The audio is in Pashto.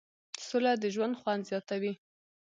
سوله د ژوند خوند زیاتوي.